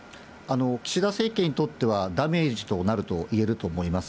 岸田政権にとっては、ダメージとなるといえると思います。